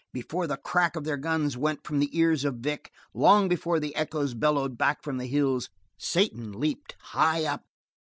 Before the crack of their guns went from the ears of Vic, long before the echoes bellowed back from the hills, Satan leaped high up.